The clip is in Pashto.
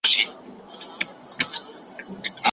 مینه له غلیم سره که ستا له خولې ښکنځل ښه دي